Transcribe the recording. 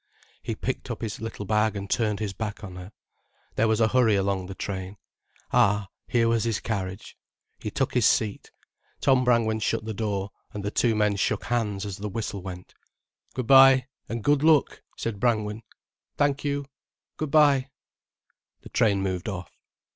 He picked up his little bag and turned his back on her. There was a hurry along the train. Ah, here was his carriage. He took his seat. Tom Brangwen shut the door, and the two men shook hands as the whistle went. "Good bye—and good luck," said Brangwen. "Thank you—good bye." The train moved off.